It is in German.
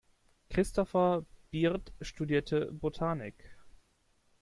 Christopher Bird studierte Botanik.